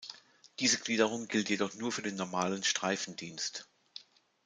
Diese Gliederung gilt jedoch nur für den normalen Streifendienst.